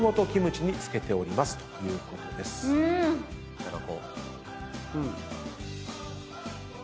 いただこう。